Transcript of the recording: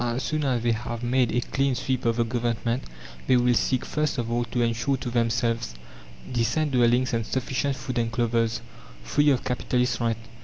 As soon as they have made a clean sweep of the Government, they will seek first of all to ensure to themselves decent dwellings and sufficient food and clothes free of capitalist rent.